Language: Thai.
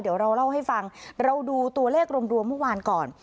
เดี๋ยวเราเล่าให้ฟังเราดูตัวเลขรวมเมื่อวานก่อน